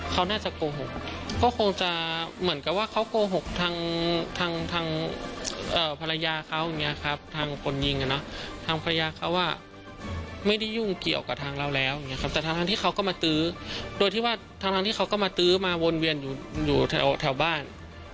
แต่ทางที่เขาก็มาตื้อโดยที่ว่าทางที่เขาก็มาตื้อมาวนเวียนอยู่แถวบ้าน